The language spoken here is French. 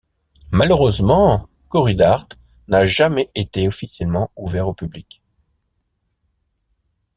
Malheureusement, Corridart n'a jamais été officiellement ouvert au public.